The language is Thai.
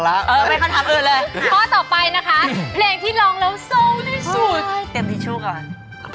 รู้จักไหม